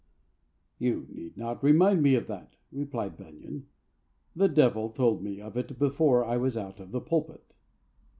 "You need not remind me of that," replied Bunyan. "The Devil told me of it before I was out of the pulpit."